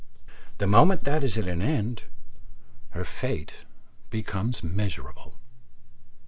The moment that is at an end, her fate becomes miserable.